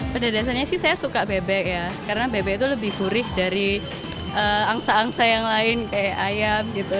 pada dasarnya sih saya suka bebek ya karena bebek itu lebih gurih dari angsa angsa yang lain kayak ayam gitu